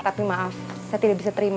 tapi maaf saya tidak bisa terima